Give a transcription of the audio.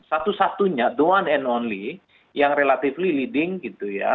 satu satunya the one and only yang relatively leading gitu ya